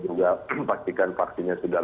juga pastikan vaksinnya sudah